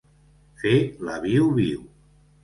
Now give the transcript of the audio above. Fer la viu-viu.